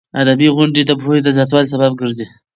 ادبي غونډې د پوهې د زیاتوالي سبب ګرځي.